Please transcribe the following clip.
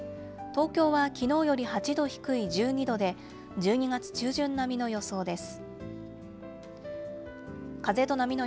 東京はきのうより８度低い１２度で、１２月中旬並みの予想です。